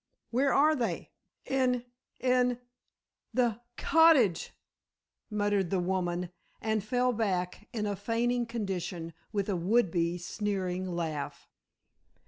"Where are they?" "In in the cottage," murmured the woman, and fell back in a fainting condition with a would be sneering laugh.